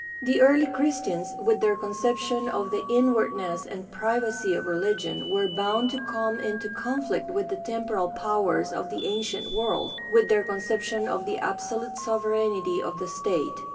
The early Christians, with their conception of the inwardness and privacy of religion, were bound to come into conflict with the temporal powers of the ancient world, with their conception of the absolute sovereignty of the state.